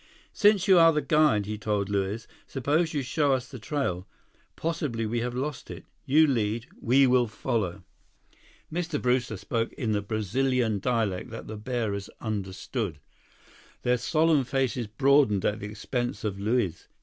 "Since you are the guide," he told Luiz, "suppose you show us the trail. Possibly we have lost it. You lead; we will follow." Mr. Brewster spoke in the Brazilian dialect that the bearers understood. Their solemn faces broadened at the expense of Luiz.